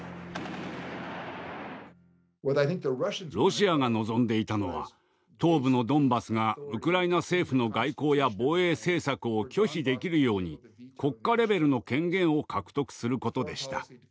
ロシアが望んでいたのは東部のドンバスがウクライナ政府の外交や防衛政策を拒否できるように国家レベルの権限を獲得することでした。